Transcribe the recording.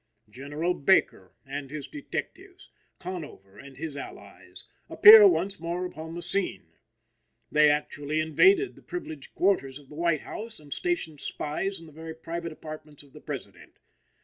General Baker and his detectives, Conover and his allies, appear once more upon the scene. They actually invaded the privileged quarters of the White House and stationed spies in the very private apartments of the President.